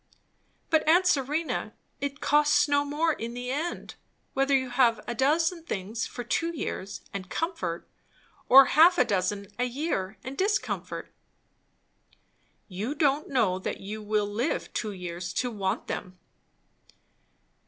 "But aunt Serena, it costs no more in the end, whether you have a dozen things for two years, and comfort, or half a dozen a year, and discomfort." "You don't know that you will live two years to want them."